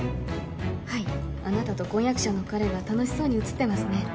はいあなたと婚約者の彼が楽しそうに写ってますね